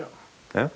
「えっ？」